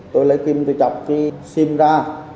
tôi lấy kim từ chọc khi xin ra